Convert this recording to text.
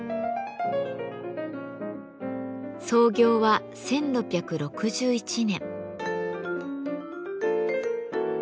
創業は１６６１年。